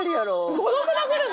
「『孤独のグルメ』！